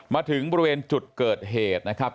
มาถึงบริเวณจุดเกิดเหตุนะครับ